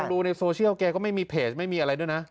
ดูในโซเชียลแกก็ไม่มีเพจไม่มีอะไรด้วยนะ